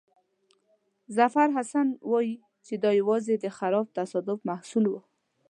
ظفرحسن وایي چې دا یوازې د خراب تصادف محصول وو.